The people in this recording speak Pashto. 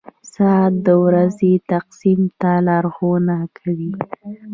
• ساعت د ورځې تقسیم ته لارښوونه کوي.